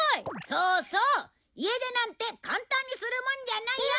そうそう家出なんて簡単にするもんじゃないよ。